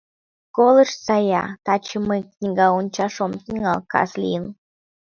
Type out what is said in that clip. Колыштса-я, тачеш мый книга ончаш ом тӱҥал, кас лийын...